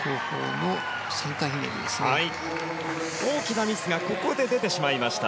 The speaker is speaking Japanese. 大きなミスがここで出てしまいました。